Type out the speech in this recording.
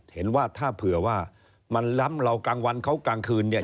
เห็นว่าถ้าเผื่อว่ามันล้ำเรากลางวันเขากลางคืนเนี่ย